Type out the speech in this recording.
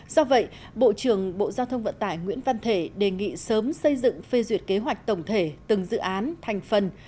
do vậy bộ trưởng bộ giao thông vận tải nguyễn văn thể đề nghị sớm xây dựng phê duyệt kế hoạch tổng thể từng dự án thành phần